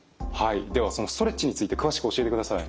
ではそのストレッチについて詳しく教えてください。